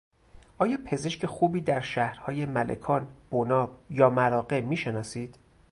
آیا پزشک خوبی در شهرهای ملکان، بناب یا مراغه میشناسید؟